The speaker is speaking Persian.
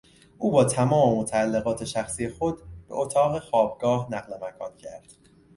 او با تمام متعلقات شخصی خود به اتاق خوابگاه نقل مکان کرد.